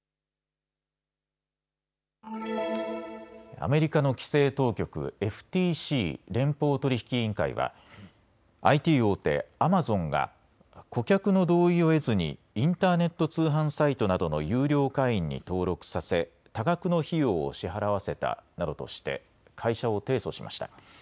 アメリカの規制当局、ＦＴＣ・連邦取引委員会はＩＴ大手、アマゾンが顧客の同意を得ずにインターネット通販サイトなどの有料会員に登録させ多額の費用を支払わせたなどとして会社を提訴しました。